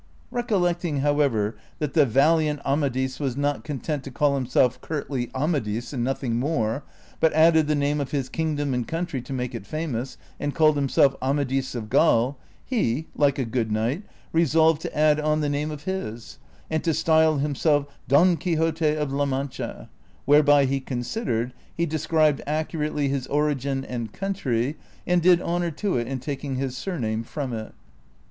Recollecting, how ever, that the valiant Amadis was not content to call himself curtly Amadis and nothing more, but added the name of his kingdom and country to make it famous, and called himself Amadis of Gaul, he, like a good knight, resolved to add on the name of his, and to style himself Don Quixote of La Mancha, whereby, he considered, he described accurately his origin and country, and did honor to it in taking his siirname from it.